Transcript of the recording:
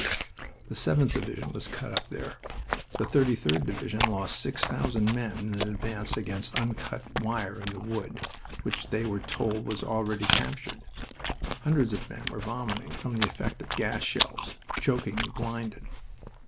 The 7th Division was cut up there. The 33d Division lost six thousand men in an advance against uncut wire in the wood, which they were told was already captured. Hundreds of men were vomiting from the effect of gas shells, choking and blinded.